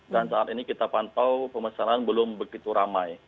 dan saat ini kita pantau pemesanan belum begitu ramai